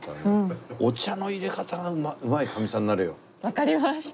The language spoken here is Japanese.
わかりました。